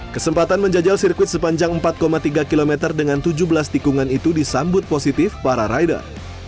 kesempatan menjajal sirkuit sepanjang empat tiga km dengan tujuh belas tikungan itu disambut positif para rider